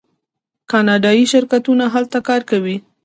کاناډایی شرکتونه هلته کار کوي.